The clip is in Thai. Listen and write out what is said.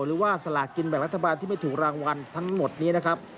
หรือว่าสลากกินแบ่งรัฐบาลที่ไม่ถูกรางวัลทั้งหมดนี้นะครับ